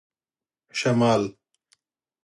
شمال